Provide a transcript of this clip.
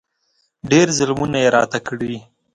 ډېر ظلمونه یې راته کړي.